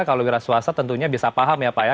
kalau wira swasta tentunya bisa paham ya pak ya